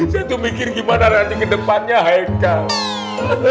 saya tuh mikir gimana nanti ke depannya haikal